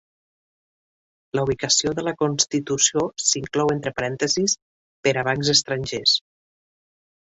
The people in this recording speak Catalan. La ubicació de la constitució s'inclou entre parèntesis per a bancs estrangers.